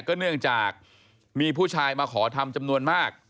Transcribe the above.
เนื่องจากมีผู้ชายมาขอทำจำนวนมาก